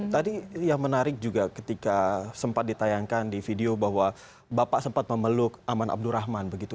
tadi yang menarik juga ketika sempat ditayangkan di video bahwa bapak sempat memeluk aman abdurrahman begitu